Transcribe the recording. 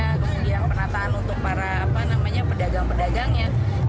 kemudian penataan untuk para apa namanya pedagang pedagangnya